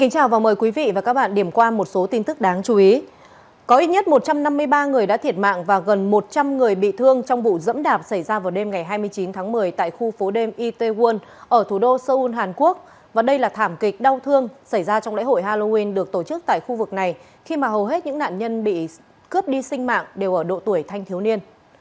các bạn hãy đăng ký kênh để ủng hộ kênh của chúng mình nhé